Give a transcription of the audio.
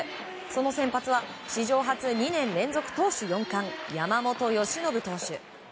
その先発は史上初２年連続投手４冠山本由伸投手。